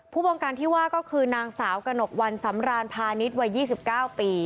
บองการที่ว่าก็คือนางสาวกระหนกวันสำรานพาณิชย์วัย๒๙ปี